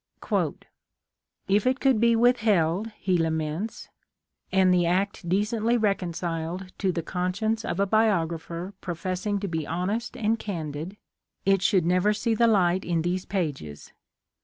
" If it could be withheld," he laments, " and the act decently reconciled to the conscience of a biog rapher* professing to be honest and candid, it should never see the light in these pages.